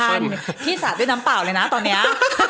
พี่สาดด้วยน้ำเปล่าเลยนะตอนนี้